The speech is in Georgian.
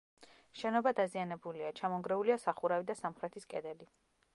შენობა დაზიანებულია: ჩამონგრეულია სახურავი და სამხრეთის კედელი.